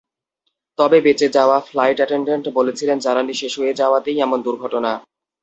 তবে বেঁচে যাওয়া ফ্লাইট অ্যাটেনড্যান্ট বলেছিলেন জ্বালানি শেষ হয়ে যাওয়াতেই এমন দুর্ঘটনা।